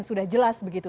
sudah jelas begitu